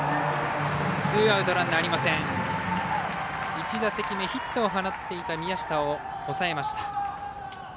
１打席目ヒットを放っていた宮下を抑えました。